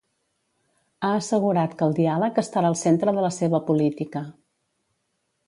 Ha assegurat que el diàleg estarà al centre de la seva política.